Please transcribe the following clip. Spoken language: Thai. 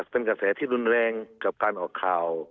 เป็นกระแสที่รุนแรงกับการออกข่าว